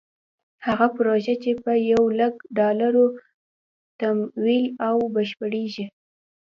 هغه پروژه چې په یو لک ډالرو تمویل او بشپړېږي.